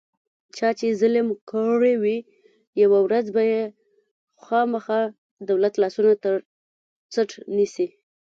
چا چې ظلم کړی وي، یوه ورځ به یې خوامخا دولت لاسونه ترڅټ نیسي.